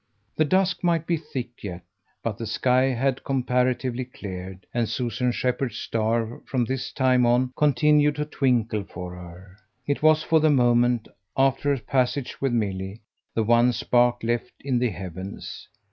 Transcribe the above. The dusk might be thick yet, but the sky had comparatively cleared; and Susan Shepherd's star from this time on continued to twinkle for her. It was for the moment, after her passage with Milly, the one spark left in the heavens.